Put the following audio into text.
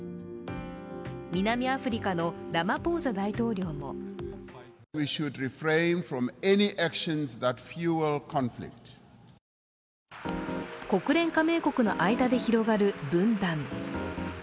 南アフリカのラマポーザ大統領も国連加盟国の間で広がる分断。